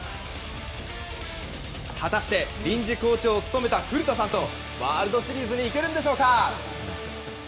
果たして臨時コーチを務めた古田さんとワールドシリーズに行けるんでしょうか？